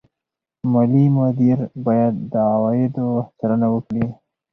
مالي مدیر باید د عوایدو څارنه وکړي.